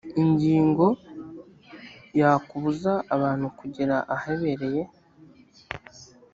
ingingo ya kubuza abantu kugera ahabereye